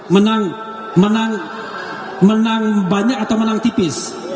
menang menang banyak atau menang tipis